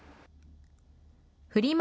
フリマ